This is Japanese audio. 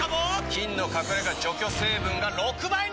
菌の隠れ家除去成分が６倍に！